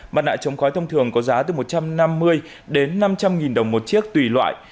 mặt nạ chống khói thông thường có giá từ một trăm năm mươi đến năm trăm linh nghìn đồng một chiếc tùy loại